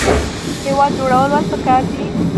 هیواد جوړول ولې پکار دي؟